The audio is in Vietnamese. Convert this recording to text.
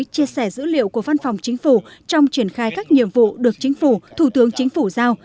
chia sẻ dữ liệu của văn phòng chính phủ trong triển khai các nhiệm vụ được chính phủ thủ tướng chính phủ giao